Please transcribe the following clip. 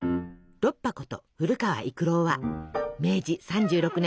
ロッパこと古川郁郎は明治３６年東京生まれ。